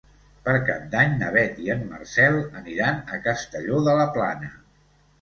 Per Cap d'Any na Beth i en Marcel aniran a Castelló de la Plana.